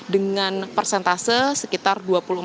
dengan persentase sekitar dua puluh empat